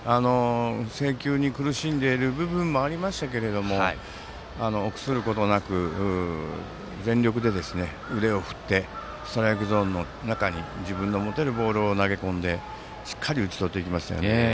制球に苦しんでいる部分もありましたけれども臆することなく全力で腕を振ってストライクゾーンの中に自分の持てるボールを投げ込んでしっかり打ち取っていきましたね。